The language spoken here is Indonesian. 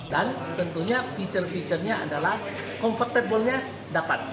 dan tentunya fitur fiturnya adalah komfortable nya dapat